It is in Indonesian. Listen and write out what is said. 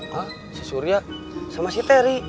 hah si surya sama si teri